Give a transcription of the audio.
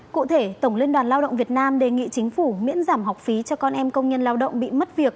cụ thể tổng liên đoàn lao động việt nam đề nghị chính phủ miễn giảm học phí cho con em công nhân lao động bị mất việc